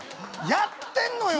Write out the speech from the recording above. やってんのよ